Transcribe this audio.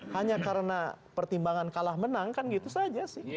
hanya karena pertimbangan kalah menang kan gitu saja sih